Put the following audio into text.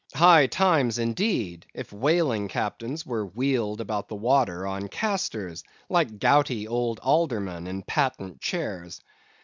High times indeed, if whaling captains were wheeled about the water on castors like gouty old aldermen in patent chairs.